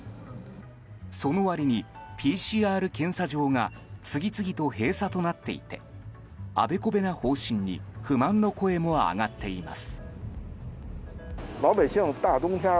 その割に、ＰＣＲ検査場が次々と閉鎖となっていてあべこべな方針に不満の声も上がっています。